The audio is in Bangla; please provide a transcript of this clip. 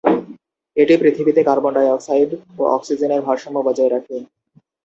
এটি পৃথিবীতে কার্বন-ডাইঅক্সাইড ও অক্সিজেনের ভারসাম্য বজায় রাখে।